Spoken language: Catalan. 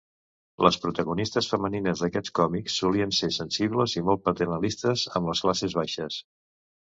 Les protagonistes femenines d'aquests còmics, solien ser sensibles i molt paternalistes amb les classes baixes.